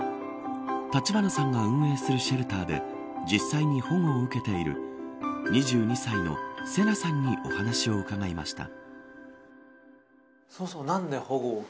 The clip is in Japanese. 橘さんが運営するシェルターで実際に保護を受けている２２歳のセナさんにお話を伺いました。